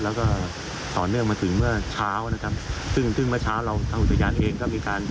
แล้วก็ต่อเนื่องมาถึงเมื่อเช้านะครับซึ่งซึ่งเมื่อเช้าเราทางอุทยานเองก็มีการ